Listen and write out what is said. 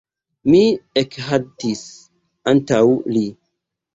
Mi ekhaltis antaŭ li.